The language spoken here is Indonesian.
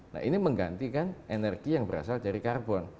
nah ini menggantikan energi yang berasal dari karbon